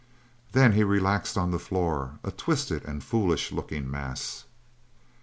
Then he relaxed on the floor, a twisted and foolish looking mass.